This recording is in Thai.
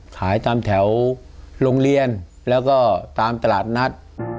ขายตามแถวโรงเรียนแล้วก็ตามตลาดนัด